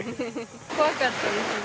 怖かったですね。